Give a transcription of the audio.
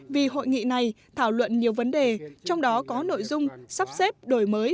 vì hội nghị này thảo luận nhiều vấn đề trong đó có nội dung sắp xếp đổi mới